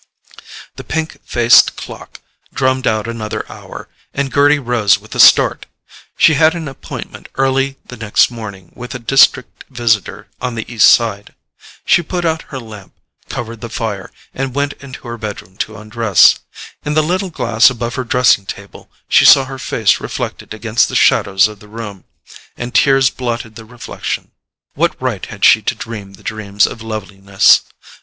The pink faced clock drummed out another hour, and Gerty rose with a start. She had an appointment early the next morning with a district visitor on the East side. She put out her lamp, covered the fire, and went into her bedroom to undress. In the little glass above her dressing table she saw her face reflected against the shadows of the room, and tears blotted the reflection. What right had she to dream the dreams of loveliness?